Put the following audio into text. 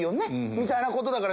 みたいなことだから。